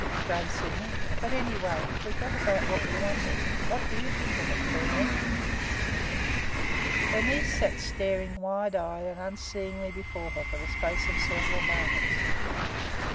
exclaimed Sydney. "But anyway we got about what we wanted. What do you think of it, Bernice?" Bernice sat staring wide eyed and unseeingly before her for the space of several moments.